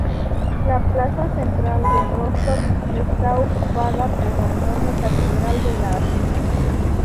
La plaza central de Rostov está ocupada por la enorme catedral de la Asunción.